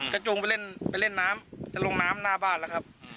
จะจงไปเล่นน้ำจะลงน้ำหน้าบ้านนะครับ